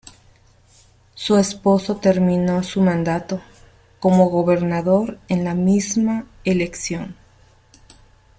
Su esposo terminó su mandato como gobernador en la misma elección.